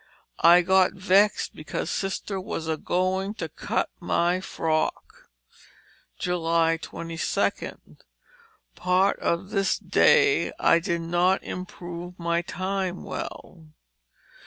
I got vexed because Sister was a going to cut my frock. " 22. Part of this day I did not improve my time well.